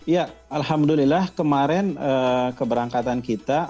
ya alhamdulillah kemarin keberangkatan kita